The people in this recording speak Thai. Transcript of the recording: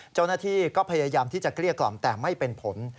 เจ้าหน้าที่ก็พยายามที่จะเกลี้ยกล่อมแต่ไม่เป็นผล